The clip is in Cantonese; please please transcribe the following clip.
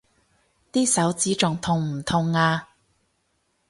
啲手指仲痛唔痛啊？